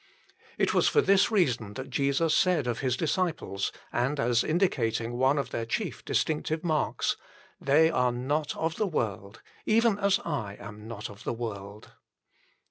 It was for this reason that Jesus said of His disciples, and as indicating one of their chief distinctive marks :" They are not of the world, even as I am not of the world."